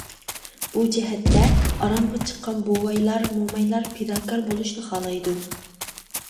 بۇ جەھەتتە ئارامغا چىققان بوۋايلار، مومايلار پىداكار بولۇشنى خالايدۇ.